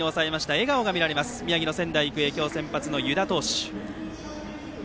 笑顔が見られます宮城の仙台育英今日先発の湯田投手。